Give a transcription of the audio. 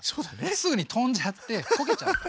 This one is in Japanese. すぐにとんじゃって焦げちゃうの。